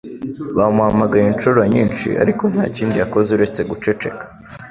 Bamuhamagaye inshuro nyinshi, ariko nta kindi yakoze uretse guceceka.